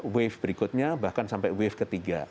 wave berikutnya bahkan sampai wave ketiga